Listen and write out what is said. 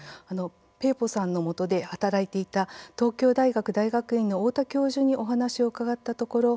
ペーボさんのもとで働いていた東京大学大学院の太田教授にお話を伺ったところ